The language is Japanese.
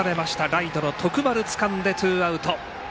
ライトの徳丸つかんでツーアウト。